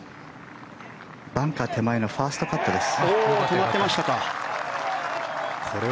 バンカー手前のファーストカットです。